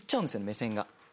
目線が。